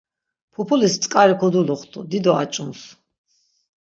Pupulis tzǩari koduluxtu, dido aç̌uns.